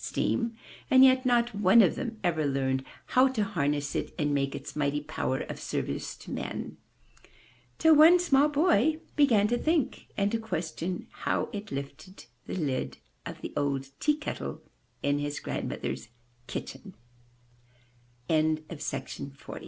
Steam, and yet not one of them ever learned how to harness it and make its mighty power of service to man, till one small boy began to think, and to question how it lifted the lid of the old tea kettle in his grandmo